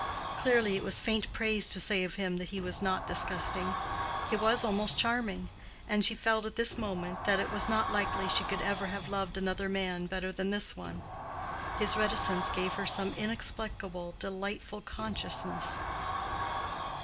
Clearly it was faint praise to say of him that he was not disgusting: he was almost charming; and she felt at this moment that it was not likely she could ever have loved another man better than this one. His reticence gave her some inexplicable, delightful consciousness.